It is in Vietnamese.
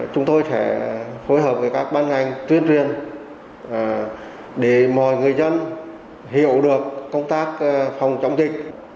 chúng tôi sẽ phối hợp với các ban ngành tuyên truyền để mọi người dân hiểu được công tác phòng chống dịch